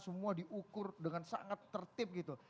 semua diukur dengan sangat tertib gitu